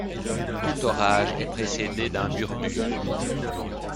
Tout orage est précédé d’un murmure.